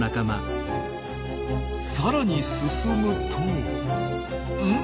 さらに進むとうん？